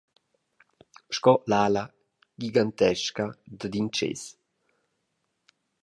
Sco l’ala gigantesca dad in tschéss.